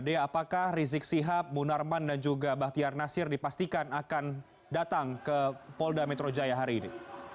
dea apakah rizik sihab munarman dan juga bahtiar nasir dipastikan akan datang ke polda metro jaya hari ini